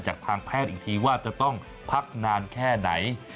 จากทางแพทย์อีกทีว่าจะต้องพักนานแค่ไหน